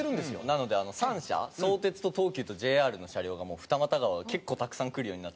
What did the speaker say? なので３社相鉄と東急とＪＲの車両が二俣川は結構たくさん来るようになって。